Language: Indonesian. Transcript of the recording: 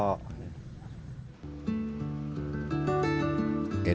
edon mengaku menggunakan mesin